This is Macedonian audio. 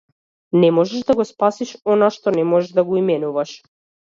Не можеш да го спасиш она што не можеш да го именуваш.